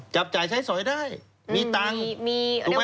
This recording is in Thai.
จับจ่ายใช้สอยได้มีตังค์